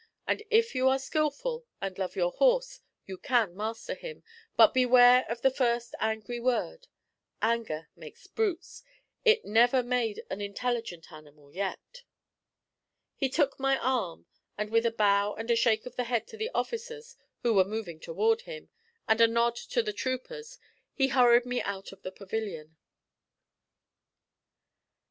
And if you are skilful, and love your horse, you can master him; but beware of the first angry word. Anger makes brutes; it never made an intelligent animal yet.' He took my arm, and with a bow and a shake of the head to the officers, who were moving toward him, and a nod to the troopers, he hurried me out of the pavilion.